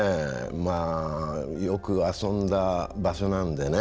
よく遊んだ場所なんでね。